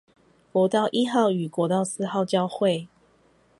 國道一號與國道四號交會